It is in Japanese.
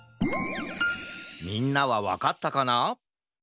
みんなはわかったかな？